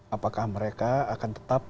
apakah mereka akan tetap